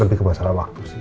berarti kebahasan waktu sih